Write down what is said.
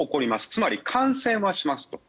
つまり感染はしますと。